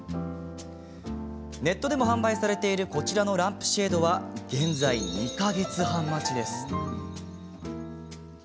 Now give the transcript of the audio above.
ネットでも販売されているこちらのランプシェードは現在２か月半待ちです。